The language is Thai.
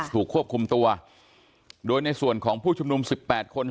ถูกควบคุมตัวโดยในส่วนของผู้ชุมนุม๑๘คน